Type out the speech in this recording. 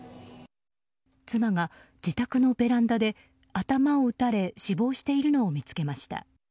妻が、自宅のベランダで頭を撃たれ死亡しているのを見つけました。